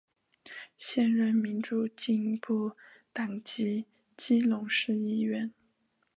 现任民主进步党籍基隆市议员。